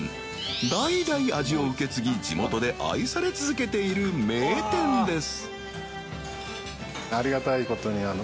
代々味を受け継ぎ地元で愛され続けている名店です